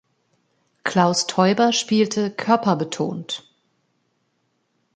Klaus Täuber spielte „körperbetont“.